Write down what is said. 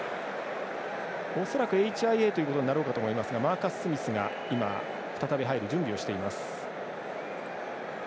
恐らく、ＨＩＡということになるでしょうがマーカス・スミスが今、再び入る準備をしています。